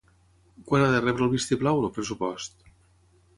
Quan ha de rebre el vistiplau, el pressupost?